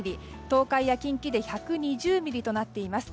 東海や近畿で１２０ミリとなっています。